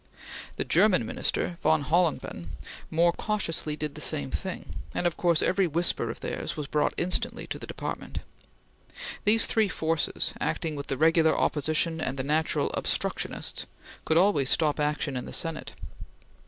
The German Minister, Von Holleben, more cautiously did the same thing, and of course every whisper of theirs was brought instantly to the Department. These three forces, acting with the regular opposition and the natural obstructionists, could always stop action in the Senate.